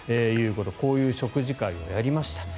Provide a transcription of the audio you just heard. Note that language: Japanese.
こういう食事会をやりました。